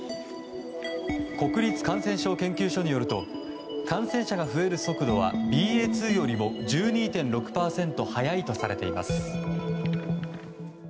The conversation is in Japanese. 国立感染症研究所によると感染者が増える速度はＢＡ．２よりも１２．６％速いとされています。